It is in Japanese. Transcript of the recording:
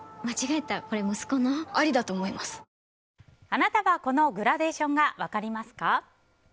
あなたはこのグラデーションが分かりますか？